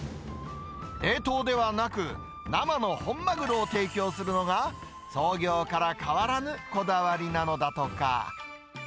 冷凍ではなく、生の本マグロを提供するのが、創業から変わらぬこだわりなのだとか。